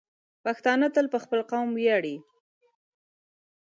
پښتانه تل په خپل قوم ویاړي.